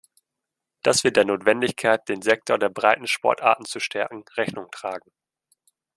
Das wird der Notwendigkeit, den Sektor der Breitensportarten zu stärken, Rechnung tragen.